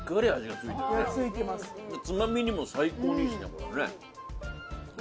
つまみにも最高にいいっすねこれね。